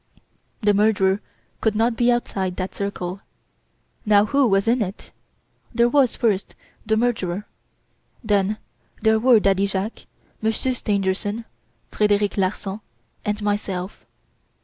The murderer could not be outside that circle. Now who was in it? There was, first, the murderer. Then there were Daddy Jacques, Monsieur Stangerson, Frederic Larsan, and myself.